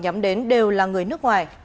nhắm đến đều là người nước ngoài